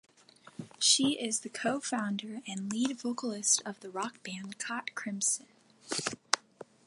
She is the co-founder and lead vocalist of the rock band Caught Crimson.